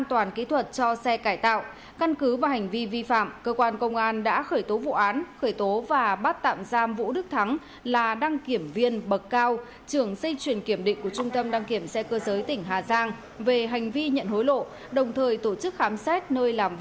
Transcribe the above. vừa khởi tố bị can và lệnh bắt tạm giam bốn tháng đối với vũ đức thắng sinh năm một nghìn chín trăm linh